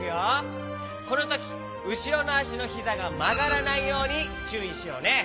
このときうしろのあしのヒザがまがらないようにちゅういしようね。